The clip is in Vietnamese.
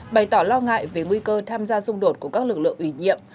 bày tỏ lo ngại về nguy cơ tham gia xung đột của các lực lượng ủy nhiệm